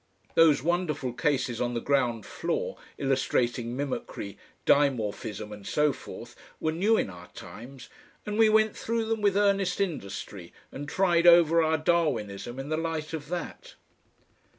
Those wonderful cases on the ground floor illustrating mimicry, dimorphism and so forth, were new in our times, and we went through them with earnest industry and tried over our Darwinism in the light of that.